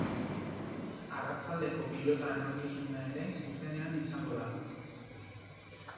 Arratsaldeko pilota emankizuna ere zuzenean izango da.